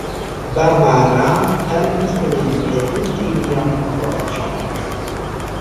Barbara helpis lin eduki lian voĉon.